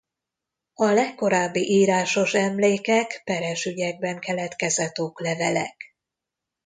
A legkorábbi írásos emlékek peres ügyekben keletkezett oklevelek.